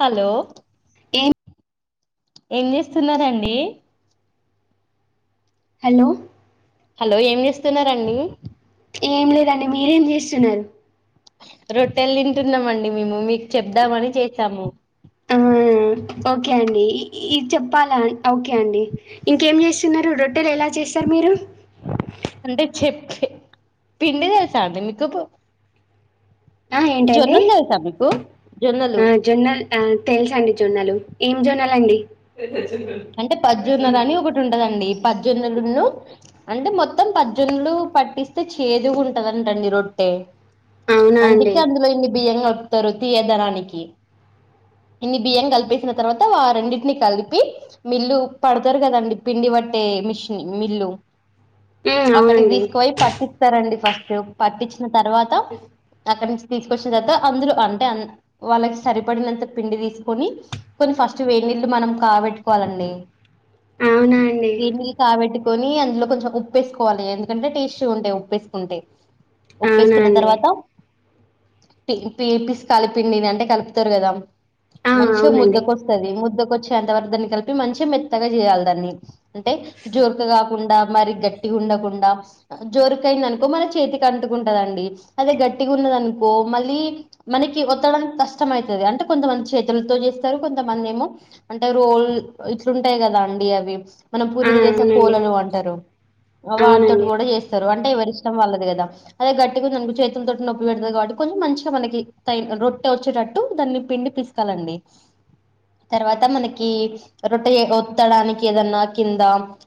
Hello ఏం ఏం చేస్తున్నా రండి. హలో హలో ఏం చేస్తున్నారండీ. ఏం లేదండి మీరేం చేస్తున్నారు. రొట్టెలు తింటున్నమండి మేము. మీకు చెప్దామని చేసాము. ఆ ఓకే అండి ఇ ఇద్ చెప్పాలా. ఓకే అండి. ఇంకేం చేసి. తిన్నరు రొట్టెలు ఎలా చేశారు మీరు. అంటే చెప్పే పిండి తెలుసా అండి మీకు పో ఆ ఏంటండి జొన్నలు తెలుసా మీకు. జొన్నలు ఆ జొన్నలు ఆ తెలుసు అండి జొన్నలు. ఏం జొన్నలండి. అంటే పచ్జొన్నలు అనీ ఒకటి ఉంటదండి. పజ్జొన్నలున్నూ అంటే మొత్తం పజ్జొన్నలూ పట్టిస్తే చేదుగ ఉంటదంటండి రొట్టే. అవునా అండి అందుకే అందులో ఇంగ బియ్యం కల్ప్ తారు తీయదనానికి. ఇన్నీ బియ్యం కలిపేసిన తర్వాత ఆ రెండింటిని కలిపి. మిల్లు పడతరు కదండి పిండి పట్టే మిషన్ మిల్లూ. ఉమ్, అక్కడికి అవునండి తీసుకుపోయి పట్టిస్తారండి ఫస్ట్. పట్టిచ్చి తర్వాత అక్కడి నుంచి తీసుకొచ్చిన తర్వాత అందులో అంటే వాళ్ళకి సరిపడినంత పిండి తీసుకొని. కొన్ని ఫస్ట్ వేడి నీళ్ళు మనం కా బెట్టి. కోవాలండీ. అవునా అండి దీన్ని కా బెట్టు కొనీ. అందులో కొంచెం ఉప్పేసుకోవాలీ ఎందుకంటే టేస్ట్ గా ఉంటది ఉప్పేసుకుంటే. అవునా ఉప్పేసుకున్న అండి తర్వాత పీ పిసకాలి పిండిని అంటే కలుపుతరు గదా. ఆ మంచిగా ముద్ద అవునండి కొస్తదీ ముద్ద కొచ్చి శాంతవర్ధన్ కలిపి మంచి మెత్తగా చేయాలి దాన్ని అంటే జోరక కాకుండా మరి గట్టిగా ఉండకుండా జోరుకయిందనుకో మన చేతికి అంటుకుంటదండి అదే గట్టిగా ఉన్నదనుకో మళ్ళీ మనకి ఒత్తడానికి కష్టం అయితది అంటే కొంతమంది చేతులతో చేస్తారు కొంతమంది ఏమో అంటే రోల్ ఇట్లుంటాయి కదా అండి అవి మనం ఆ పూరీలు చేసే అవునండి కోళలు అంటారు వాటితోటి అవునండి కూడా చేస్తారు అంటే ఎ ఇష్టం వల్లదు గదా అదే గట్టిగా రెండు చేతుల తోటి నొప్పి పెడుతుంది కాబట్టి కొంచెం మంచిగా మనకి రొట్టె వచ్చేటట్టు దాన్ని పిండి పిసుకాలండి తర్వాత మనకి రొట్ట ఒత్తడానికి ఏదన్నా కింద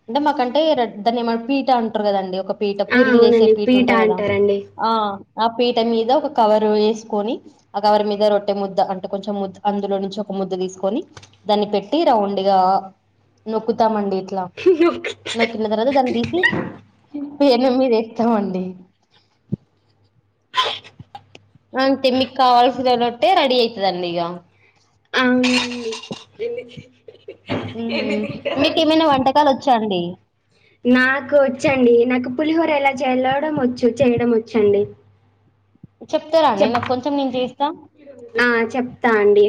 అంటే మాకంటే దాన్ని ఎమ్ పీట అంటారు కదండి ఒక పీట ఆ పూరీలు చేసే అవునండి పీట పీఠ ఉంటారు కదా అంటారండి ఆ ఆ పీట మీద ఒక కవర్ వేసుకొని ఆ కవర్ మీద రొట్టె ముద్ద అంటే కొంచెం ముద్ద అందులో నుంచి ఒక ముద్ద తీసుకొని దాన్ని పెట్టి రౌండ్ ఇగా నొక్కుతామండీ ఇట్లా వత్తిన తర్వాత దాన్ని తీసీ పెనం మీద ఎత్తామండి అంతే మిక్కావలసిన రొట్టె రెడీ ఐతాదండీ ఇగా అవున మీకు ఏమైన వంటకాలు ఓ వచ్చా అండి నాకు వచ్చండి నాకు పులిహోర ఎలా చేలవడం వచ్చు చేయడం వచ్చండి చెప్తారండీ చెప్ నాకు కొంచెం నేను చేస్తా తా అండి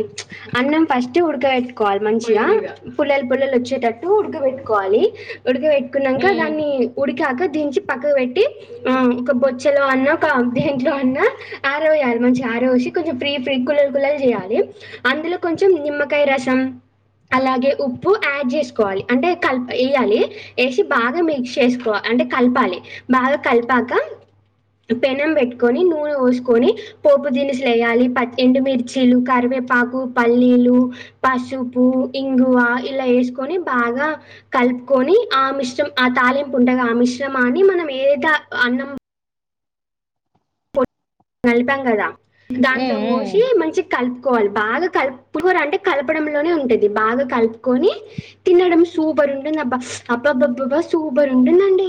అన్నం ఫస్ట్ ఉడకబెట్టుకోవాలి మంచిగా పుల్లలు పుల్లలు వచ్చేటట్టు ఉడకబెట్టుకోవాలి. ఉడిక పెట్టుకున్నాక ఉమ్ దాన్ని ఉడికాక దించి పక్క పెట్టి ఆ ఒక బొచ్చలో అన్న ఒక దేంట్లో అన్నా ఆర వేయాలి. మంచిగా ఆర వేసి కొంచెం ఫ్రీ ఫ్రీ కులలు కులలు చేయాలి. అందులో కొంచెం నిమ్మకాయ రసం అలాగే ఉప్పు యాడ్ చేసుకోవాలి. అంటే కలపు వేయాలి వేసి బాగా మిక్స్ చేసుకోవాలి. అంటే కలపాలి బాగా కలిపాక పెనం పెట్టుకొని నూనె పోస్ కొని పోపు దినుసులు వేయాలి ప ఎండుమిర్చీలు కరివేపాకు పల్లీలు పసుపు ఇంగువ ఇలా వేసుకొని బాగా కలుపుకొని ఆ మిశ్రంమం ఆ తాళింపు ఉండగా ఆ మిశ్రమాన్ని మనం ఏతా అన్నం కాలిపాం గదా దాంట్లో ఉమ్ ఉమ్ పోసి మంచి కల్ కలుపుకోవాలి బాగా కలుపుకో అంటే కలపడంలోనే ఉంటది బాగా కలుపుకొని తినడం సూపర్ ఉంటుంది అబ్బా అబ్బబ్బబ్బబ్బ సూపర్ ఉంటుందండి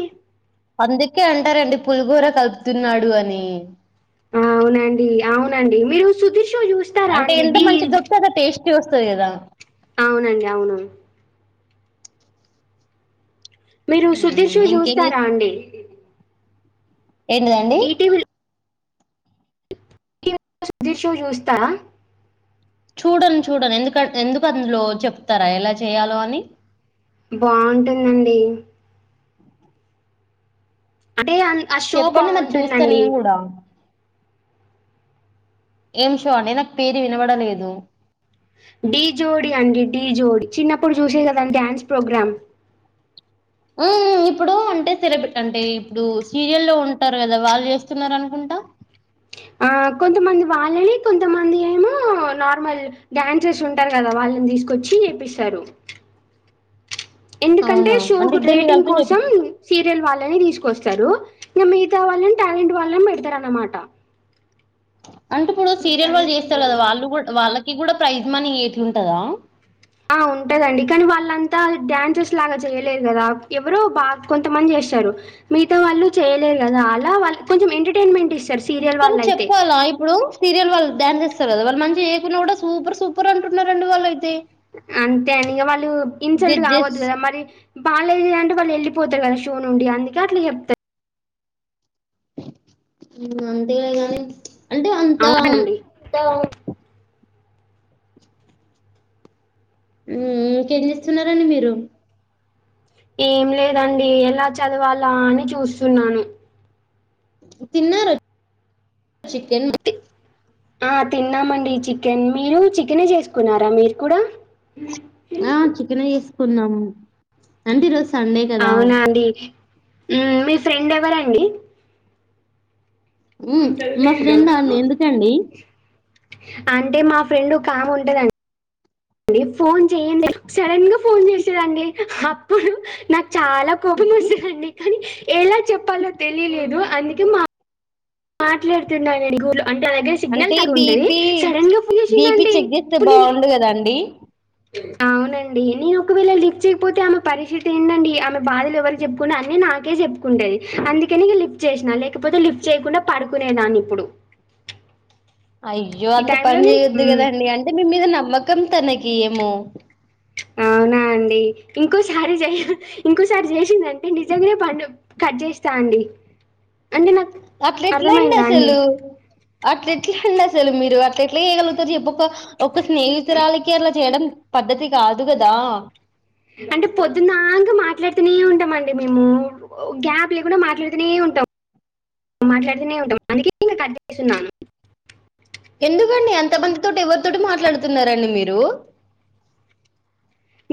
అందుకే అంటారండి పులిహోరా కలుపుతున్నాడు అని ఆ అవునండి అవునండి మీరు సుదీష్ అంటే ఎంత మంచిగా కలిపితే టేస్ట్ వస్తుంది గదా అవునండి అవును మీరు సుధీర్ ఉమ్ షో ఇంకేం చూస్తారా చేస్ అండి ఏంటిదండి ఈటీవీ సుధీర్ షో చూస్తా చూడను చూడను ఎందు ఎందుకు అందులో చెప్తారా ఎలా చేయాలో అని బాగుంటుందండీ అంటే ఆ షో చెప్పండి నాకు చూస్తా బాగుంటుందండి నేను కూడా ఏం షో అండీ నాకు పేరు వినబడలేదు డీ జోడీ అండి డీ జోడీ చిన్నప్పుడు చూసే గదండి డ్యాన్స్ ప్రోగ్రామ్ మ్ ఇప్పుడు అంటే తెరపెట్టండి ఇప్పుడు సీరియల్లో ఉంటారు కదా వాళ్ళు చేస్తున్నారు అనుకుంటా ఆ కొంతమంది వాళ్ళని కొంతమంది ఏమో నార్మల్ డాన్సర్స్ ఉంటారు కదా వాళ్ళని తీసుకొచ్చి ఏపిస్తారు ఎందుకంటే అవునా షో అంటే కు ఇద్దరిని రేటింగ్ కలిపి చేపిస్ కోసం సి వాళ్ళని తీసుకొస్తారు ఇంకా మిగతా వాళ్ళని టాలెంట్ వాళ్ళని పెడతారు అనమాట అంటే ఇప్పుడు సీరియల్ వాళ్ళు చేస్తారు కదా వాళ్ళు కూడా వాళ్ళకి కూడా ప్రైజ్ మనీ ఏట్ల ఉంటందా ఆ ఉంటదండి కానీ వాళ్ళంతా డ్యాన్సెస్ లాగా చేయలేదు కదా ఎవరు బాగా కొంతమంది చేస్తారు మీతో వాళ్ళు చేయలేరు కదా అలా వాళ్ళ కొంచెం ఎంటర్ ఇత్తను చెప్పాలా ఇప్పుడు సీరియల్ వాళ్ళు డ్యాన్స్ సెస్ స్తరు కదా వాళ్లు మంచిగ చేయకున్నా కూడా సూపర్ సూపర్ అంటున్నారండి వాళ్ళయితే అంతే అని ఇక వాళ్ళు ఇన్సల్ట్ జడ్జెస్ కావద్దు కదా మరి బాగాలేదు అంటే వాళ్ళు వెళ్ళిపోతారు కదా షో నుండి అందుకే అట్లా చెప్తారు ఉం అంతేగా మరి అంటే అంత అవునండి. సో, ఇంకేం చేస్తున్నండి మీరు ఏం లేద్ రండి ఎలా చదువాల అలా అని చూస్తున్నాను తిన్న ర చికెన్ తి ఆ తిన్నామండి చికెన్ మీరు చికెనే చేసుకున్నారా మీరు కూడా ఆ చికెనే చేస్ కున్నాం అంటీ రోస్ అవునా అండి ఉం మీ ఫ్రెండ్ ఎవరండి మా ఫ్రెండండి ఎందుకండి అంటే మా ఫ్రెండ్ ఒక ఆమె ఉంటదండి ఫోన్ చెయండి సడన్ గా ఫోన్ చేస్థదండి అప్పుడు నాకు చాలా కోపం వస్తదండి కానీ ఎలా చెప్పాలో తెలియలేదు అందుకే మా మాట్లాడుతున్నా నేన్ గు లో అంటే ఆమే దగ్గర సిగ్నల్ అంటే తక్కుఉంటది బీపీ సడన్ గా ఫోన్ బీపీ చేసిందండి చెక్ చేస్తే ఇప్పుడు నీ బాగుండు కదండి అవునండి నేను ఒకవేళ లిఫ్ట్ చేయకపోతే ఆమె పరిస్థితి ఏందండి ఆమె బాధలు ఎవరికి చెప్పుకున్న అన్ని నాకే చెప్పుకుంటది అందుకని ఇగ లిఫ్ట్ చేసినా లేకపోతే లిఫ్ట్ చేయకుండా పడుకునేదాన్ని ఇప్పుడు అయ్యో ఈ అంత టైంలో పని నేను చేయొద్దు మ్మ్. కదండి అంటే మీ మీద నమ్మకం తన ఎమో అవునా అండి ఇంకోసారి చేయ ఇంకోసారి చేసిందింటే నిజంగాే పండు కట్ చేస్తా అండి అంటే నాకు అట్ల ఎట్లా అర్థమైందా అండి అసలు అట్ల ఎట్ల అండి అసలు మీరు అట్ల ఎట్లే చేయగలుగుతారు చెప్పక ఒక్క స్నేహితురాలికి అలా చేయడం పద్ధతి కాదు కదా అంటే పొద్దున్నక మాట్లాడుతూనే ఉంటాం అండి మేము గ్యాప్ లేకుండా మాట్లాడుతూనే ఉంటాం మాట్లాడుతూనే ఉంటాం అందుకే ఇంకా కడ్చేస్తున్నాను ఎందుకండి అంత బందితోటి ఎవరితోటి మాట్లాడుతున్నారండి మీరు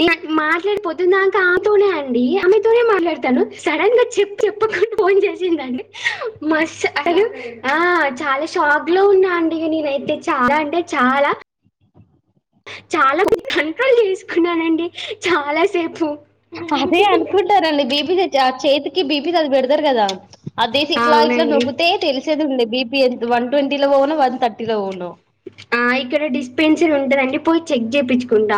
న మాట్లాడిపోద్దుందాక ఆమె తోనే అండి ఆమెతోనే మాట్లాడతాను సడన్ గా చెప్పు చెప్పకుడా ఫోన్ చేసిందండి మ అసలు ఆ చాలా షాక్ లో ఉన్నా అండి నేనైతే చాల అంటే చాల చాల కంట్రోల్ చేసుకున్నానండి చాలా సేపు అదే అనుకుంటరు ఆల్లు బీపి జెత్ జ చేతికి బీపీ అది పెడతారు కదా అదే ఆ, ఇట్ల ఇట్లా అవునండి నొక్కితే తెలిసేది ఉండడి బి ఎ వన్ ట్వంటీ లో పోవన థర్టీలో పోను ఆ ఇక్కడ డిస్పెన్సర్ ఉంటదుడి పోయి చెెక్ చేయిించుకుంట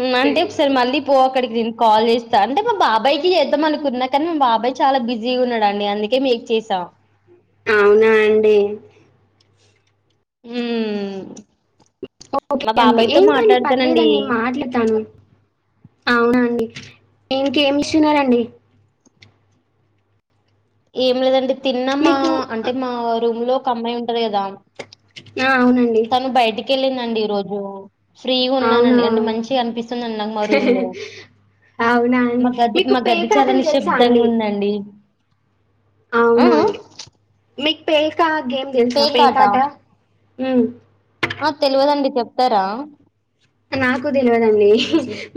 ఉమ్ అంటే ఒకసారి మళ్ళీ పో అక్కడికి తి కాల్ చేస్తా అంటే మా బాబాయ్కి చేద్దాం అనుకున్నా కానీ మా బాబాయ్ చాల బిజీగా ఉన్నాడండి అందుకే మీకు చేసాం అవునా అండి హూ ఓక అండి ఏంకాండి పర్లేదండి మాట్లాతాను అవునండి ఇంకేమి ఇస్తున్నారండి ఏం లెదండి తిన్నమ్మ మీకు అంటే మా రూమ్లో ఒక అమ్మాయి ఉంటది కదా న అవునండి లేదండి ఈ రోజు ఫ్రీగా అవునా ఉన్నానండి అంటే మంచిగా కనిపిస్తుంది నాకు మా రూమ్ లో అవునా అండి మా గది మీకు మా గది చాలా పేకాటలు తెలుసా నిశ్శబ్దంగా అండి ఉందండి ఆ అవునా ఆ అండి మీకు పేకా గేమ్ తెల్సా పేకాట ఉమ్ ఆ తెల్వదండి చెప్తార నాకు తెల్వదండి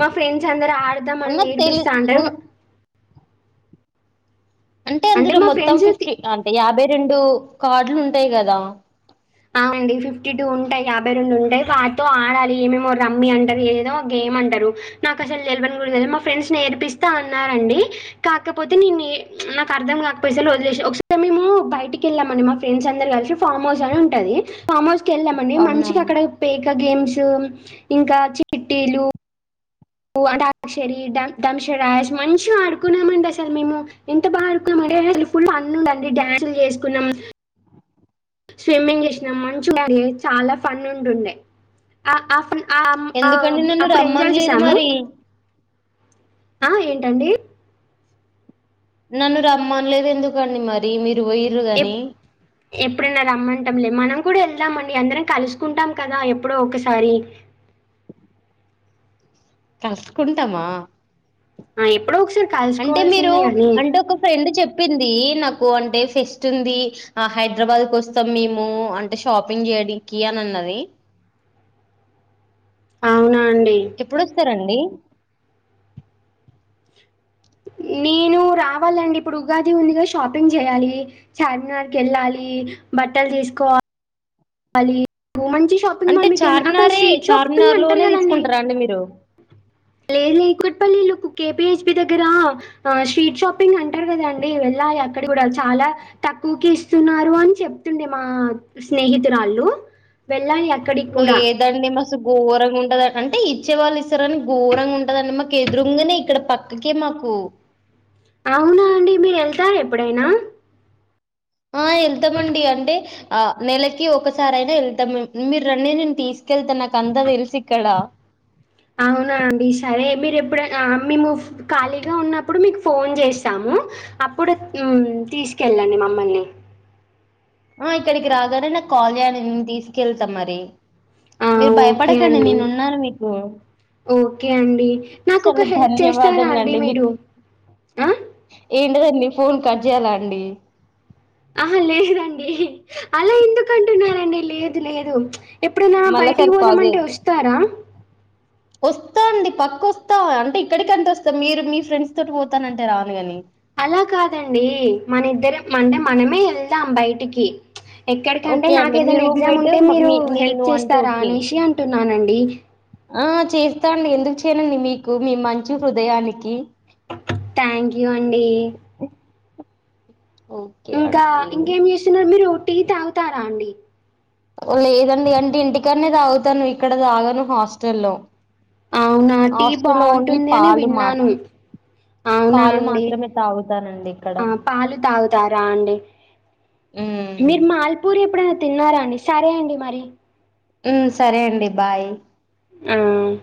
మా ఫ్రెండ్స్ అందరు ఆడదాం మనం అన్న నేర్పిస్తా అంట తెలు అంటే అందులో మా మొత్తం ఫ్రెండ్స్ తి ఫిఫ్టీ అంటే యాభై రెండు కార్డులు ఉంటయి గదా అవునండి ఫిఫ్టీ టూ ఉంటాయి యాభై రెండు ఉంటాయి వాటితో ఆడాలి ఏమేమో రమ్మి అంటారు ఏేదో గేమ్ అంటారు నాకు అసలు తెల్వన్ గుడా తెల్పన్ మా ఫ్రెండ్స్ నేర్పిస్తా అన్నారంండి కాకపోతే నేను నాకు అర్థం కాకపోయిసలు వదిలే ఒకసారి మేము బయటికి వెళ్ళామండి మా ఫ్రెండ్స్ అందరు కలిసి ఫార్మ్ హౌస్ అని ంటది ఫామోస్ వెళ్ళామండి అవునా మంచిగా అక్కడ పేక్ ఇక గేమ్స్ ఇంకా చిట్టిలు ఉ అంటె అంతక్షరి ధంశరాజ్ మంచిగా ఆడుకున్నామండి అసలు మేము ఎంత బాగా ఆడుకున్నా మంటే అసలు ఫుల్ అన్ను ఉండండి డ్యాన్సులు చేసుకున్నాం స్విమ్మింగ్ చేసినాం మంచువారె చాలా ఫన్ ఉంటుండే అ ఆఫ్ అ ఎందుకండి నన్ను అప్పుడు ఎంజాయ్ రమ్మనలేదు చేసాము మరి ఆ ఏంటండి నన్ను రమ్మన్లేదు ఎందుకండి మరి మీర్ పోయిర్రు గాని ఎప్పుడున్న రమ్మంటంలే మనం కూడా వెళ్దాం అండి. అందరం కలుసుకుంటాం. కదా ఎప్పుడో ఒకసారి కలుసుకుంటామా ఆ ఇప్ అంటే మీరు అంటే ఒక ఫ్రెండ్ చెప్పింది నా నాకు అంటే ఫెస్ట్ ఉంది. హైదరాబాద్కి వస్తాం. మేము అంటే షాపింగ్ చేయడానికి అని అన్నది. అవునా అండి. ఎప్పుడోస్తారండి. నేను రావాలండి. ఇప్పుడు ఉగాది ఉందిగా షాపింగ్ చేయాలి. చార్మినార్కి వెళ్ళాలి. బట్టలు తీసుకో వాలి మంచి షాపింగ్ అంటే మాల్ మీకెమన్నా అక్కడ చార్మినారే స్వీట్ షాపింగ్ చార్మినార్ అంటారు లోనే కదండి. తీసుకుంటారా అండి మీరు లేదు లే కూకట్పల్లిలో కేపీ హెచ్ పీ దగ్గర స్ట్రీట్ షాపింగ్ అంటారు. కదాండి వెళ్ళాలి అక్కడ కూడా చాలా తక్కువకె ఇస్తున్నారు అని చెప్తుండే మా స్నేహితు స్నేహితురాలు వెళ్ళాలి అ మళ్ళ ఏదండి మస్తు ఘోరంగా ఉంటద అంటే ఇచ్చే వాళ్ళు ఇస్తారని ఘోరంగా ఉంటదండి. మాకు ఎదురు రాంగనే ఇక్కడ పక్కకే మాకు అవునా అండి. మీరు వెళ్తారా ఎప్పుడైనా ఆ వెళ్తామండి. అంటే ఆ నెలకి ఒకసారి అయినా వెళ్తాం. మీరు రాండి నేను తీసుకెళ్తాను. నాకు అంతా తెలిసి ఇక్కడ అవునా అండి సరే మీరు ఎప్పుడైనా మేము ఖాళీగా ఉన్నప్పుడు మీకు ఫోన్ చేస్తాము. అప్పుడు తీసుకెళ్ళండి మమ్మల్ని ఆ ఇక్కడికి రాగానే నాకు కాల్ చెయ్యండి. నేను తీసుకెళ్తా మరి ఆ మీరు ఓకే భయపడకండి అండి. నేనున్నాను మీకు ఓకే అండి. నాకు ఒక చాలా హెల్ప్ చేస్తారా అండి. ధన్యవాదములండి మీరు ఆ ఏంటదండి ఫోన్ కట్ చేయాల అండి ఆహా లేదండి అలా ఏందుకు అంటున్నారండి లేదు లేదు ఎప్పుడన్నా బయటికి మళ్ళసారి కాల్ పోదామంటే చేయద్దు వస్తారా వస్తా అండి పక్క వస్తా అంటే ఇక్కడికి అంటే వస్తా మీరు మీ ఫ్రెండ్స్ తోటి పోతానంటే రాను కాని అలా కాదండి. మన ఇద్దరం మంటే మనమే వెళ్దాం బయటికి ఎక్కడికంటే ఓకే నాకు అండి మీ ఏదైనా ఎగ్జామ్ రూమ్మేట్ ఉంటే మీరు మీ హెల్ప్ నేను అంటే చేస్తారా ఓకే అనేశి అంటున్నానండి. ఆ చేస్తా అండి. ఎందుకు చేయనండి మీకు మీ మంచి హృదయానికి థ్యాంక్ యూ అండి. ఓకే ఇంకా అండి ఇంకేం చేస్తున్నారు. మీరు టీ తాగుతారా అండి. లేదండి. అంటే ఇంటికనే తాగుతాను ఇక్కడ తాగాను హాస్టల్లో అవునా టీ హాస్టల్లో ఓన్లీ బాగుంటుంది. అని పాలు మా విన్నాను అవునా పాలు అండి మాత్రమే తాగుతానండి ఇక్కడ ఆ పాలు తాగుతారా అండి. ఉమ్ మీరు మల్పూర్ ఎప్పుడైనా తిన్నారా అండి సరే అండి మరి హ్మ్ సరే అండి బాయ్ అవును